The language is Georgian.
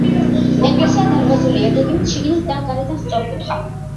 ეკლესია დარბაზულია გეგმით შიგნით და გარედან სწორკუთხაა.